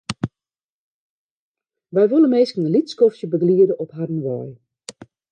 Wy wolle minsken in lyts skoftsje begeliede op harren wei.